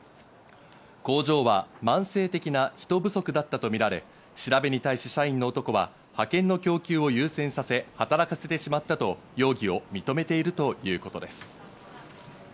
工場は慢性的な人不足だったとみられ、調べに対し社員の男は、派遣の供給を優先させ働かせてしまったと容疑を認めているということです。